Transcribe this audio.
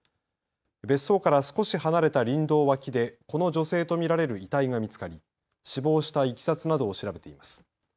別荘から少し離れた林道脇でこの女性と見られる遺体が見つかり死亡したいきさつなどを調べています。